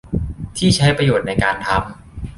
ที่ใช้ประโยชน์ในการทำ